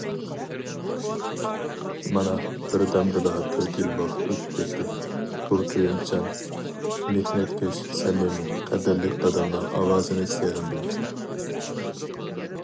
مانا بىردەمدىلا تۆت يىل ۋاقىت ئۆتۈپ كەتتى، بۇ كۆيۈمچان، مېھنەتكەش، سەمىمىي، قەدىرلىك دادامنىڭ ئاۋازىنى سېغىندىم.